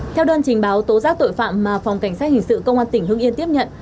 theo đơn trình báo tố giác tội phạm mà phòng cảnh sát hình sự công an tỉnh hưng yên tiếp nhận